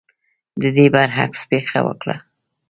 د دې برعکس پېښه وکړه.